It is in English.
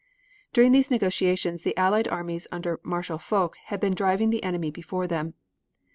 During these negotiations the Allied armies under Marshal Foch had been driving the enemy before them.